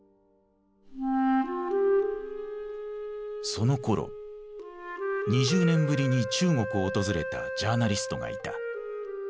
そのころ２０年ぶりに中国を訪れたジャーナリストがいた。